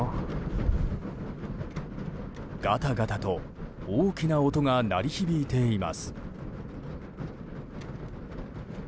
ガタガタと大きな音が鳴り響いています。